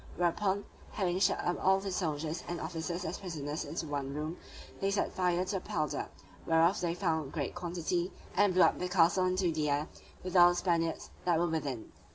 Whereupon, having shut up all the soldiers and officers as prisoners into one room, they set fire to the powder (whereof they found great quantity) and blew up the castle into the air, with all the Spaniards that were within.